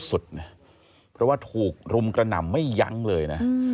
เพราะว่าถูกรุมกระหน่ำไม่ยั้งเลยนะ